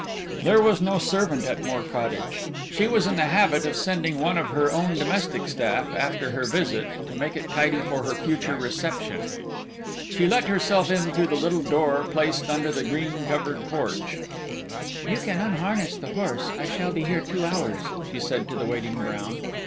There was no servant at Moor Cottage. She was in the habit of sending one of her own domestic staff after her visit to make it tidy for her future reception. She let herself in through the little door placed under the green covered porch. "You can unharness the horse; I shall be here two hours," she said to the waiting Brown.